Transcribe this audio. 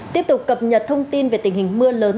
tiếp tục cập nhật thông tin về tình hình mưa lớn